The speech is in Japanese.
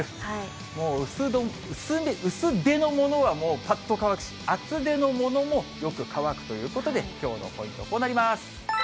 もう薄手のものはもうぱっと乾くし、厚手のものもよく乾くということで、きょうのポイント、こうなります。